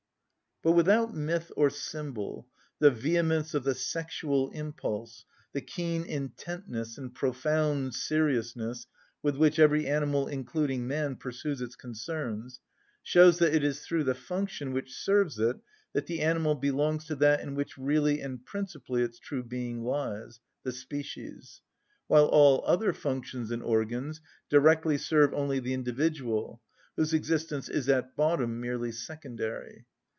But without myth or symbol, the vehemence of the sexual impulse, the keen intentness and profound seriousness with which every animal, including man, pursues its concerns, shows that it is through the function which serves it that the animal belongs to that in which really and principally its true being lies, the species; while all other functions and organs directly serve only the individual, whose existence is at bottom merely secondary.